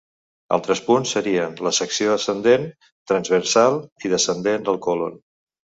Altres punts serien la secció ascendent, transversal i descendent del colon.